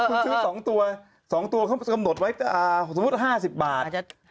มี๒ตัวเขาสมมุติไว้สมมุติ๕๐บาท